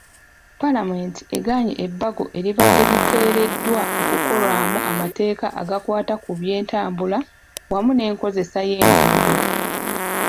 Paalamenti egaanye ebbago eribadde lireeteddwa okukolwamu amateeka agakwata ku by'entambula wamu n'enkozesa y'enguudo.